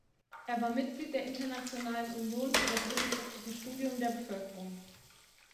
Er war Mitglied der Internationalen Union für das wissenschaftliche Studium der Bevölkerung.